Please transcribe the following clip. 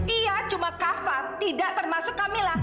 iya cuma kava tidak termasuk kamila